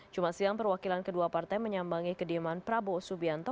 jumat siang perwakilan kedua partai menyambangi kediaman prabowo subianto